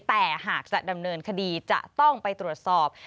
แต่หากจะดำเนินคดีจะต้องไปตรวจสอบ